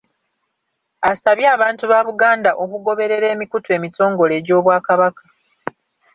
Asabye abantu ba Buganda okugoberera emikutu emitongole egy’Obwakabaka